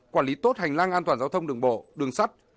quản lý tốt hành lang an toàn giao thông đường bộ đường sắt